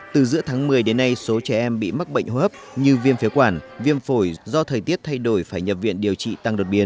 từ giữa tháng một mươi đến nay số trẻ em bị mắc bệnh hô hấp như viêm phế quản viêm phổi do thời tiết thay đổi phải nhập viện điều trị tăng đột biến